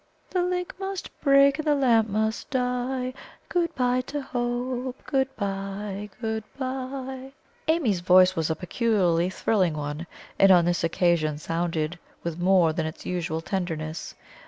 "The link must break, and the lamp must die; Good bye to Hope! Good bye good bye!" Amy's voice was a peculiarly thrilling one, and on this occasion sounded with more than its usual tenderness.